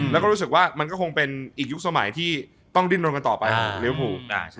แล้วก็รู้สึกว่ามันก็คงเป็นอีกยุคสมัยที่ต้องดิ้นรนกันต่อไปของลิวภู